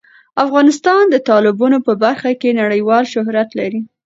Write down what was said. افغانستان د تالابونو په برخه کې نړیوال شهرت لري.